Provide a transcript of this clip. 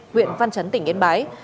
huyện văn trấn tỉnh yên bái